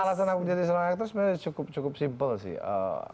alasan aku menjadi seorang aktor sebenarnya cukup simpel sih